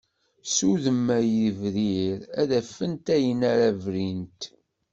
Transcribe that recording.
Ssuddem a yibrir, ad afent ayen ara brint.